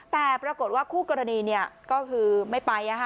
แต่ปรากฏว่าคู่กรณีก็คือไม่ไป